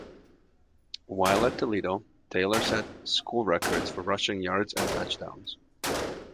While at Toledo, Taylor set school records for rushing yards and touchdowns.